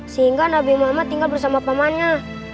sehingga nabi muhammad tinggal bersama pamannya